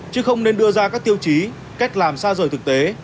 chứ không nên đưa ra các tiêu chí cách làm xa rời thực tế